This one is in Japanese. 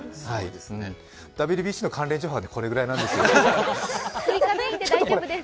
ＷＢＣの関連情報はこれくらいなんです。